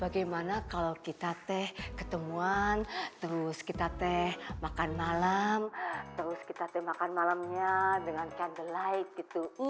bagaimana kalau kita teh ketemuan terus kita teh makan malam terus kita teh makan malamnya dengan cadelight gitu